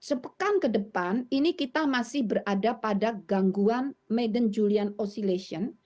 nah sepekan ke depan ini kita masih berada pada gangguan maiden julian oscillation